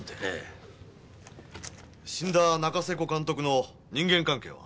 死んだ仲瀬古監督の人間関係は？